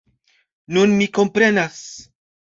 Nun mi komprenas.